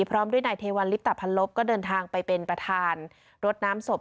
พร้อมด้วยนายเทวัลลิปตะพันลบก็เดินทางไปเป็นประธานรถน้ำศพ